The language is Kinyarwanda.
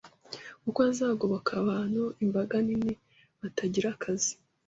kuko azagoboka abantu imbaga nini batagira akazi